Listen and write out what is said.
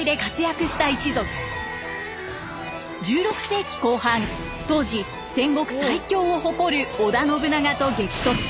１６世紀後半当時戦国最強を誇る織田信長と激突。